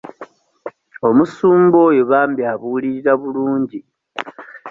Omusumba oyo bambi abuulirira bulungi.